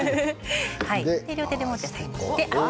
両手で持って割きます。